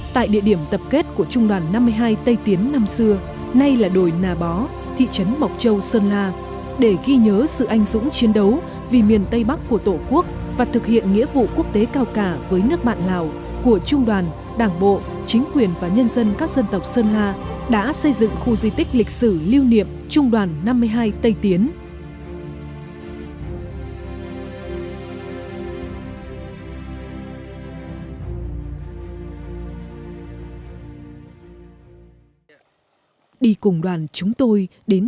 tại địa điểm tập kết của trung đoàn năm mươi hai tây tiến năm xưa nay là đồi nà bó thị trấn mộc châu sơn la để ghi nhớ sự anh dũng chiến đấu vì miền tây bắc của tổ quốc và thực hiện nghĩa vụ quốc tế cao cả với nước bạn lào của trung đoàn đảng bộ chính quyền và nhân dân các dân tộc sơn la đã xây dựng khu di tích lịch sử lưu niệm trung đoàn năm mươi hai tây tiến